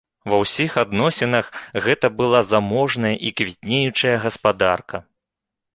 Ва ўсіх адносінах гэта была заможная і квітнеючая гаспадарка.